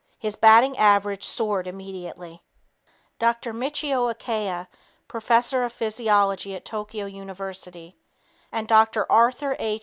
His batting average soared immediately. Dr. Michio Ikai, professor of physiology at Tokyo University, and Dr. Arthur H.